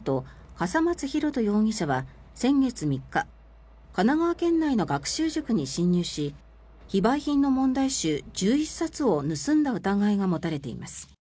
笠松大翔容疑者は先月３日神奈川県内の学習塾に侵入し非売品の問題集１１冊を盗んだ疑いが持たれています。